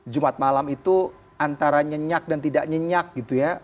jumat malam itu antara nyenyak dan tidak nyenyak gitu ya